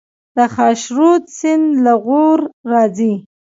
د خاشرود سیند له غور راځي